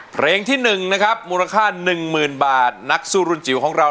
เพลงที่หนึ่งนะครับ